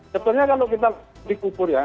sebetulnya kalau kita dikubur ya